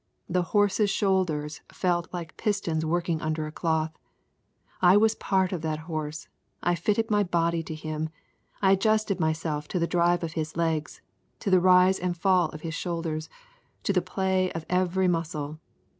The horse's shoulders felt like pistons working under a cloth. I was a part of that horse. I fitted my body to him. I adjusted myself to the drive of his legs, to the rise and fall of his shoulders, to the play of every muscle.